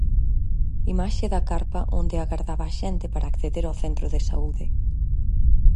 Imaxe da carpa onde agardaba a xente para acceder ao centro de saúde.